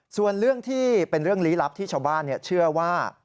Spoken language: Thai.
ส่วนเรื่องที่เป็นเรื่องลี้ลับที่ชาวบ้านเชื่อว่า